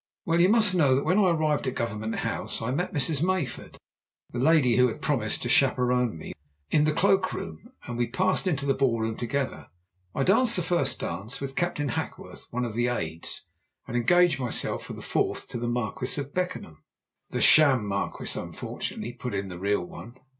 Well, you must know that when I arrived at Government House I met Mrs. Mayford the lady who had promised to chaperone me in the cloak room, and we passed into the ball room together. I danced the first dance with Captain Hackworth, one of the aides, and engaged myself for the fourth to the Marquis of Beckenham." "The sham Marquis, unfortunately," put in the real one.